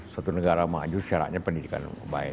suatu negara maju secara pendidikan baik